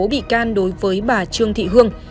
bị can đối với bà trương thị hương